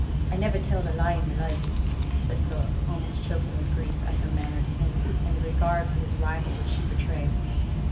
'I niver telled a lie i' my life,' said Philip, almost choking with grief at her manner to him, and the regard for his rival which she betrayed.